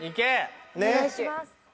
お願いします。